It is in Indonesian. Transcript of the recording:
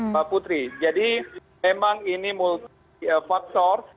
pak putri jadi memang ini multifaktor